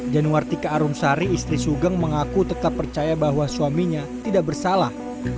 januartika arumsari istri sugeng mengaku tetap percaya bahwa suaminya tidak bersalah